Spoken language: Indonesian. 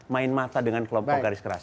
main mata dengan kelompok garis keras